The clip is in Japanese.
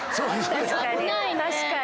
確かに。